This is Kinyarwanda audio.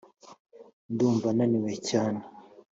ndumva naniwe cyane